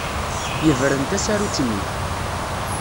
Yebren tasarut-nni.